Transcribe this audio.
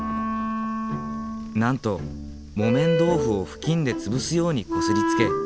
なんと木綿豆腐を布巾で潰すようにこすりつけ